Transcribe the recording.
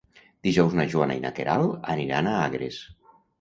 Dijous na Joana i na Queralt aniran a Agres.